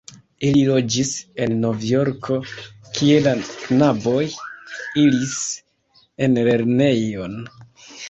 Ili loĝis en Novjorko, kie la knaboj iris en lernejon.